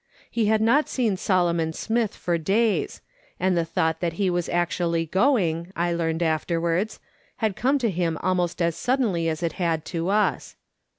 He had not seen Solomon Smith for days, and the thought that he was actually going, I learned afterwards, had come to him almost as suddenly as it had to us.